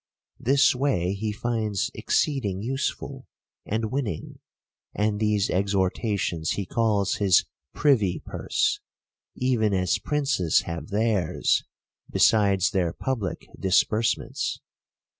This way he finds exceeding useful, and winning: and these exhortations he calls his privy purse ; even as princes have theirs, besides their public disbursements.